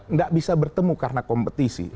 nggak bisa bertemu karena kompetisi